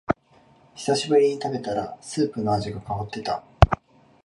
久しぶりに食べたらスープの味が変わってた